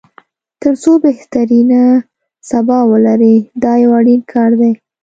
تر څو بهترینه سبا ولري دا یو اړین کار دی.